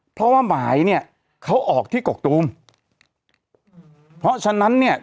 เพราะว่าหมายเนี่ยเขาออกที่กกตูมเพราะฉะนั้นเนี่ย